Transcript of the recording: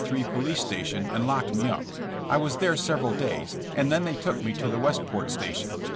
3 police station and locked me up. I was there several days, and then they took me to the Westport station.